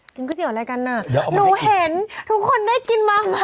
ก๋วยเตี๋ยอะไรกันน่ะหนูเห็นทุกคนได้กินมาก